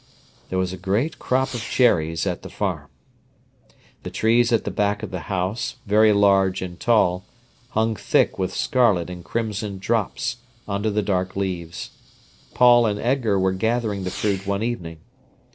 There was a great crop of cherries at the farm. The trees at the back of the house, very large and tall, hung thick with scarlet and crimson drops, under the dark leaves. Paul and Edgar were gathering the fruit one evening.